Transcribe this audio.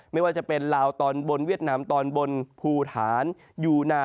ไม่ว่าจะเป็นลาวตอนบนเวียดนามตอนบนภูฐานยูนา